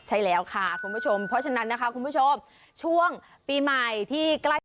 ใช่แล้วค่ะคุณผู้ชมเพราะฉะนั้นนะคะคุณผู้ชมช่วงปีใหม่ที่ใกล้